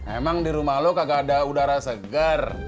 emang di rumah lu kagak ada udara seger